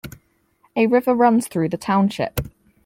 A river runs through the township.